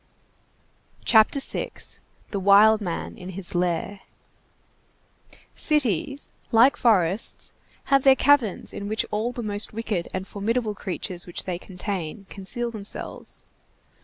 CHAPTER VI—THE WILD MAN IN HIS LAIR Cities, like forests, have their caverns in which all the most wicked and formidable creatures which they contain conceal themselves.